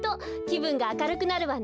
きぶんがあかるくなるわね。